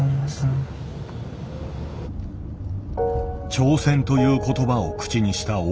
「挑戦」という言葉を口にした大迫。